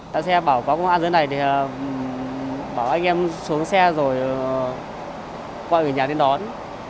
đã xe bảo có công an dưới này thì bảo anh em xuống xe rồi gọi người nhà lên đón